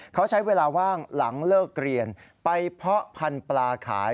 เขาใช้เวลาว่างหลังเลิกเรียนไปเพาะพันธุ์ปลาขาย